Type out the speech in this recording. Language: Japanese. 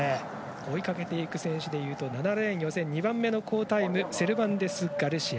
追いかけていく選手ですと予選２番目の好タイムセルバンテスガルシア。